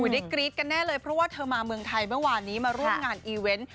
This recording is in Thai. ได้กรี๊ดกันแน่เลยเพราะว่าเธอมาเมืองไทยเมื่อวานนี้มาร่วมงานอีเวนต์